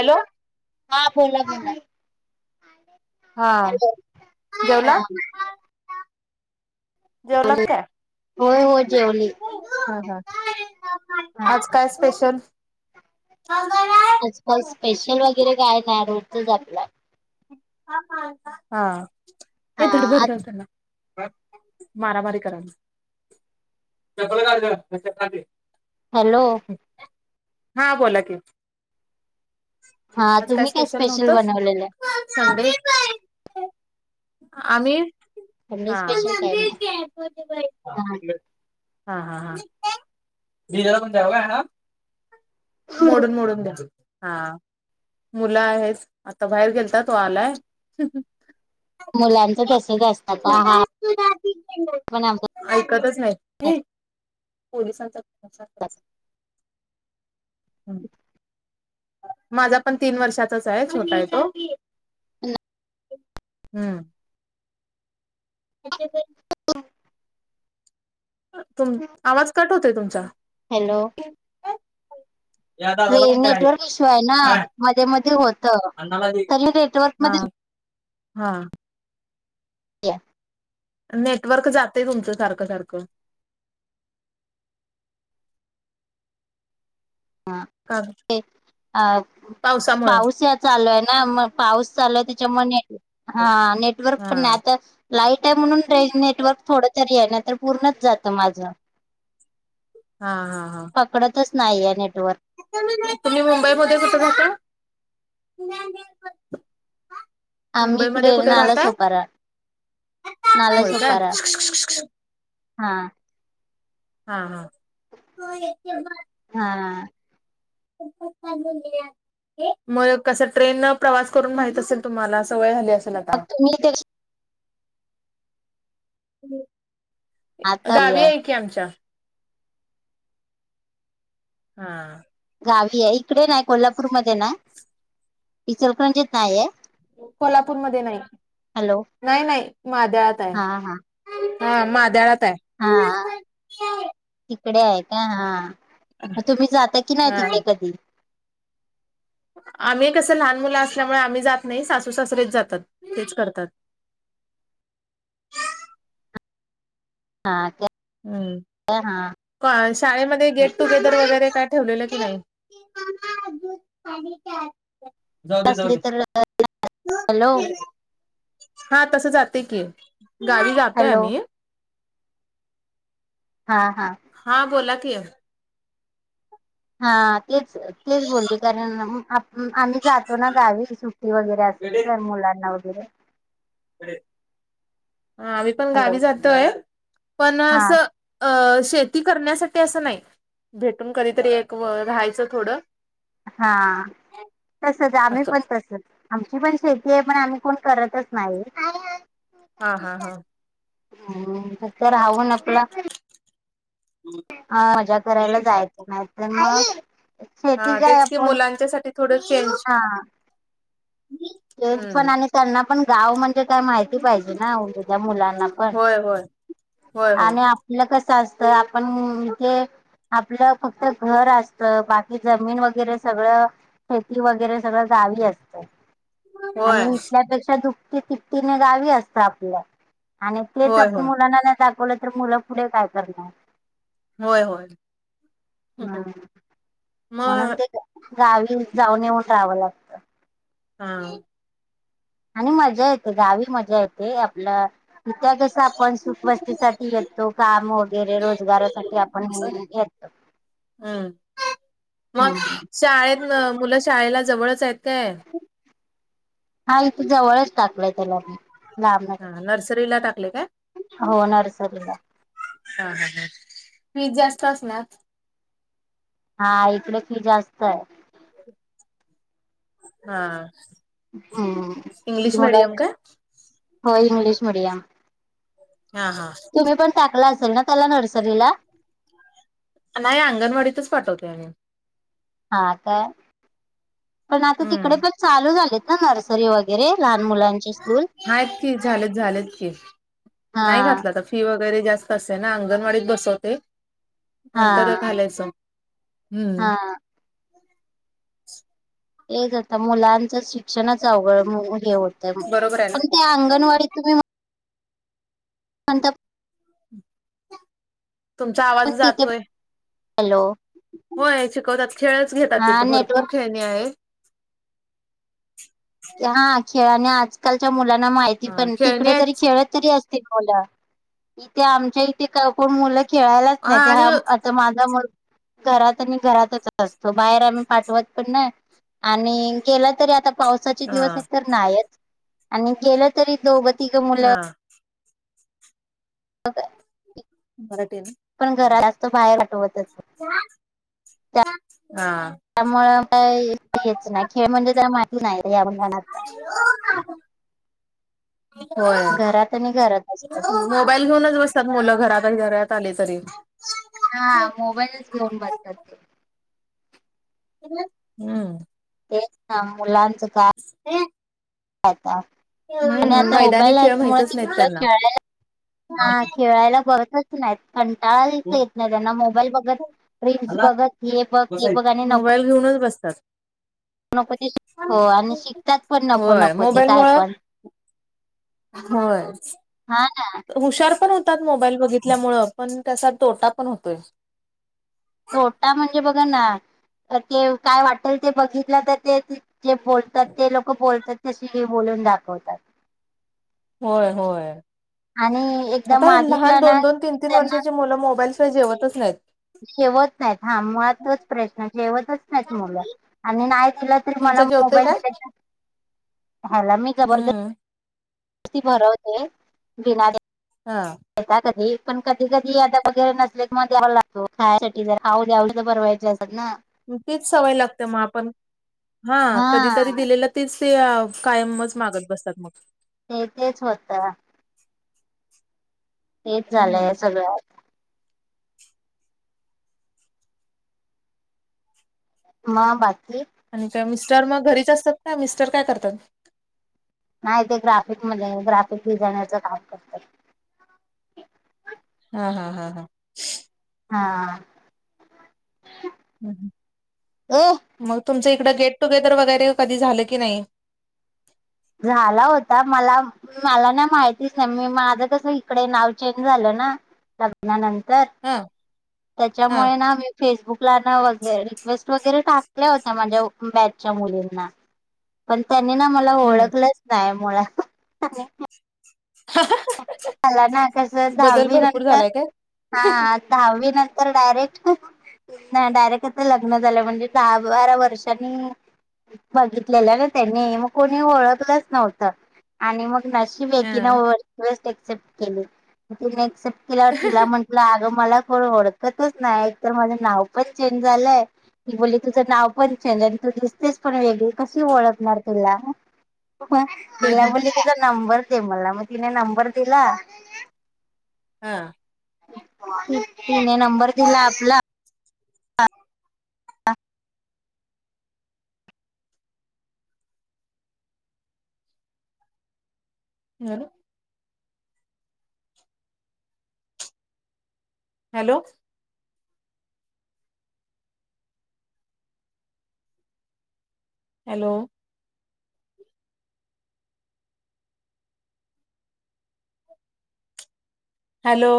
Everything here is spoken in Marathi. हॅलो. हा बोला बोला हा हॅलो जेवला हा. जेवलात काय? होय होय जेवली. हा हा हाआज काय स्पेशल? आज काहीच स्पेशल वगैरे काय नाही रोजच आपला. हा हा आज मारामारी कराल. [unintelligible] हॅलो. हा बोला की. हा तुम्ही काय स्पेशल बनवलेलं? संडे आम्ही म्हणजे हा स्पेशल काय नाही हा हा हा हा. मोडून मोडून द्या. हा मुलं आहेत आता बाहेर गेलता तो आलाय. मुलांच तसचं असतात हा हा पण आ ऐकतच नाय. हे पोलिसांचा [inaudible] असतात. हम्म. माझा पण तीन वर्षाचाच आहे छोटा आहे तो. [unintelligible] हम्म. [unintelligible] तुम आवाज कट होतय तुमचा. हॅलो. या हे दादाला पण द्या नेटवर्क इश्यू आहे ना काय मध्ये मध्ये होतं अण्णाला दे तरी नेटवर्क हा मध्ये हा. या नेटवर्क जाते तुमचं सारखं सारखं. हा का ते आ पावसामुळे पाऊस यात चालू आहे ना मग पाऊस चालूय त्याच्यामुळे न हा नेटवर्क हा पण आता लाईट आहे म्हणून रे नेटवर्क थोडं तरी आहे ना तर पूर्णच जातं माझा. हा हा हा. पकडतच नाहीये नेटवर्क. तुम्ही मुंबई मध्ये कुठं राहता? आम्ही इकडे नाला सोपारा, नाला होय काय सोपारा. हा. हा हा. हा. [unintelligible] मय कसं ट्रेनला प्रवास करून माहित असेल तुम्हाला सवय झाली अस तुला मग का तुम्ही ते गावी आहे की आमच्या. हा. गावी आहे इकडे नाही कोल्हापूरमध्ये ना ईचलकंजीत नाहीय. कोल्हापूरमध्ये नाही हॅलो नाही नाही मादळयात आहे. हा हा हा मादाळयात आहे. हा तिकडे आहे का? हा. मग तुम्ही जाता की नाही तिथे कधी? आम्ही कसं लहान मुलं असल्यामुळे आम्ही जात नाही, सासू सासरेच जातात तेच करतात. हा क हम्म. हा. शाळेमध्ये हा. गेटटुगेदर वगैरे काय ठेवलेलं की नाही? जाऊदे असली जाऊदे. तर हॅलो हा तस जाते की, गावी जातोय हॅलो आम्ही हा हा. हा बोला की. हा तेच तेच बोले कारण आम्ही जात तो ना गावी सुट्टी वगैरे असेल तर मुलांना वगैरे हा आम्ही पण हॅलो गावी जातोय पण हा अस अ शेती करण्यासाठी असं नाही, भेटून कधीतरी एक राहायचं थोडं हा तसच आहे आम्ही असं पण तसच आमची पण शेती आहे पण आम्ही कोण करतच नाही. हा हा हा. तिथं राहून आपला हम्. हा मजा करायला जायचं नाही तर मग शेती हा काय तेच की आपण मुलांच्यासाठी थोडं चेंज चेंज पण हम्म आणि त्यांना पण गाव म्हणजे काय माहिती पाहिजे ना उगीच. त्या मुलांना पण होय होय. होय होय आणि आ पलं कसं आसतं आपण म्हणजे आपलं फक्त घर आसत, बाकी जमीन वगैरे सगळं शेती वगैरे सगळं जावी असतं. होय आणि इथल्यापेक्षा दुप्पटी तिप्पटीने गावी असत आपल्या आणि तेच होय आपण होय मुलांना नाही दाखवलं तर मुलं पुढे काय करणार? होय होय हा म्हणून मग ते गावी जाऊन येऊन राहावं लाग हा. आणि मजा येते गावी मजा येते आपलं इथं कस आपण सुखवस्तीसाठी येतो, काम वगैरे रोजगारासाठी आपण येतो. हम् मग? येतो शाळेतन मुलं शाळेला जवळच आहेत काय? हा इथ जवळच टाकलंय त्याला मी. लांबन हा नर्सरीला टाकले काय येतात हो नर्सरीला हा, हा, हा फीज जास्त असणार? हा इकड फी जास्त आहे. हा. हम्म फी इंग्लिश मिडियम मुलाची काय हो इंग्लिश मिडियम हा हा. तुम्ही पण टाकला असल ना त्याला नर्सरीला? नाही अंगणवाडीतच पाठवतोय आम्ही. हा का पण आता तिकडे हम्म पण चालू झाले त ना नर्सरी वगैरे लहान मुलां हायत की झालेत झालेत की हा नाही घातलं आता फी वगैरे जास्त असते ना अंगणवाडीत बसवते, हा नंतर घालायचं. हम्म. हा तेच आता मुलांचं शिक्षणच आवघड हे होतय बरोबर आहे ना पण ते अंगणवाडी तुम्ही पण तुमचा आवाज पण तिथे जातोय. हॅलो. होय शिकवतात खेळच घेतात हा तिथे नेटवर्क भरपूर खेळणे आहे. हा खेळा आणि आजकालच्या मुलांना माहिती ह पण खेळणी तिकडे तरी आहेत खेळ इथे आमच्या इथेण मुलं खेळायलाच हा आणि नाही. माझा म घरात आणि घरातच असतो बाहेर आम्ही पाठवत पण नाही. आणि केलं तरी आता पावसा हा दि नाही अन गेलं तरी दोघं तिघे मुलं. हा मराठी ना पण घरा जास्त बाहेर पाठवतच नाही. ह. हा. त्यामूळ काही याचं नाही खेळ म्हणजे त्या माहिती नाही रे या मुलाना आता हो. घरात आणि घरात असतात. मोबाईल घेऊनच बसतात मुलं घरातही घत आले तरी हा मोबाईलच घेऊन बसतात ते हम्म. तेच ना मुलांचं का? आणि हम्म आता मैदानी मोबाईल खेळ आहेत मु माहितच नाहीत ते त्यांना खेळाय ह खेळायला बतच नाही. कंटाळाच येत नाही त्यांना मोबाईल बघत रील्स बघत हे बघ हे बघ आणि नक मोबाईल घेऊनच बसतात. नको ते श आणि शिकतात पण नको होय नको ते मोबाईल काय मुळ पण होय हा ना हुशार पण होत. मोबाईल बघितल्यामुळे पण त्याचा तोटा पण होतोय. तोटा म्हणजे बघ ना ते काय वाटेल ते बघितलं तर ते जे बोलतात ते लोक बोलतात तसे हे बोलून दाखवतात. होय होय आणि एकदा आता लहान मागितला ना दोन दोन तीन तीन त्यांना वर्षाची मुलं मोबाईल तो जेवतच नाहीत. जेवत नाहीत हा मुळातोच प्रयत्न जेवतच नाहीत मुलं? आणि नाही दिला तरी मला तुमचं जेवतय मोबाईल काय हला मी जबरदस्ती हम्म भरवते बिना हा. यता कधी पण कधी कधी आता वगैरे नसले क मग द्यावला लागतो खायसाठी जर खाऊ द्याव तर बरवाय. जात ना. तच सवय लागते मग आपण हा कधीतरी दिलेलं. तेच ते कायमच मागत बसतात मग ते तेच होत. तेच हम्म झालंय सगळं. म बाकी आणि का मिस्टर मग घरीच असतात ना मिस्टर काय करतात. नाही ते ग्राफिकमध्येध्ये ग्राफिक डिझायनर काम करतात. हा हा हा हा. हा. ए मग तुमचं इकडं गेट टुगेदर वगैरे कधी झालं की नाही. झाला होता मला मला ना माहितीच नाही मी माझं कस इकडे नाव चेंज झालं ना. नंतर हा हा त्याच्यामुळे ना. फेसबुकला ना वगर रिक्वेस्ट वगैरे टाकल्या होत्या माझ्या बॅचच्या मुलींना [inaudible] पण त्यांनी ना मला हम्म ओळखलंच नाय मुळा आणि मला ना कस बदल दहावी भरपूर नंतर झालाय काय? हा दहावी नंतर डायरेक्ट नाय डायरेक्ट आता लग्न झालं म्हणजे दहा बारा वर्षांनी बघितलेलं ना त्यांनी म कोणी ओळखलंच नव्हतं. आणि मग नशीब हा एकीनं रिक्वेस्ट एक्सेप्ट केली म तिने एक्सेप्ट केल्यावर तिला म्हण म्हणलं अग मला कोण ओळखतच नाय एकतर माझं नाव पण चेंज झालंय. ती बोल्ली तुझं नाव पण चेंज आणि तू दिसतेस पण वेगळी कशी ओळखणार तुला नं म तिला ह म्हणली तुझा नंबर दे मला म तिने नंबर दिला हा ती तिने नंबर केला आपला [unintelligible] झालं. Hello hello hello